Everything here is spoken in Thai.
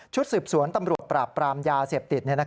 สืบสวนตำรวจปราบปรามยาเสพติด